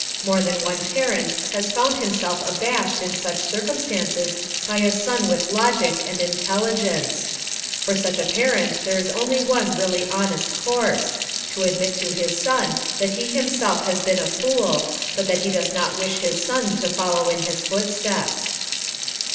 More than one parent has found himself abashed in such circumstances by a son with logic and intelligence. For such a parent there is only one really honest course to admit to his son that he himself has been a fool, but that he does not wish his son to follow in his footsteps.